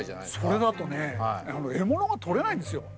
それだとね獲物がとれないんですよ。